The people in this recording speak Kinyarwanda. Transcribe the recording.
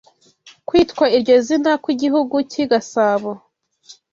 Kwitwa iryo zina kw’Igihugu cy’I Gasabo